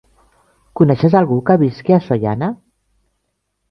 Coneixes algú que visqui a Sollana?